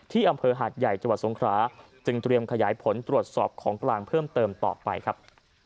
อำเภอหาดใหญ่จังหวัดสงคราจึงเตรียมขยายผลตรวจสอบของกลางเพิ่มเติมต่อไปครับ